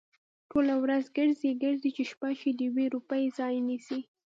ټوله ورځ گرځي، گرځي؛ چې شپه شي د يوې روپۍ ځای نيسي؟